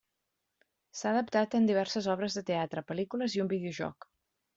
S'ha adaptat en diverses obres de teatre, pel·lícules i un videojoc.